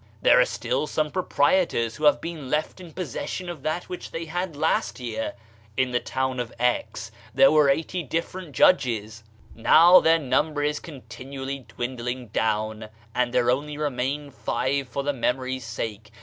There are still some proprietors who have been left in possession of that which they had last year ! In the town of X. there were eigh^ different judges, now their number is continually dwindling down, and there only remain five for the memory's sake.